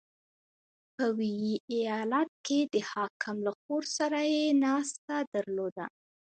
• په ویي ایالت کې د حاکم له خور سره یې ناسته درلوده.